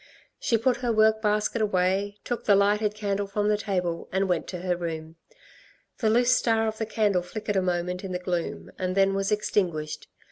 She put her work basket away, took the lighted candle from the table and went to her room. The loose star of the candle flickered a moment in the gloom and then was extinguished.